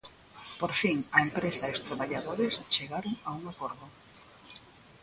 Por fin, a empresa e os traballadores chegaron a un acordo.